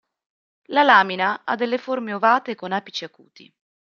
La lamina ha delle forme ovate con apici acuti.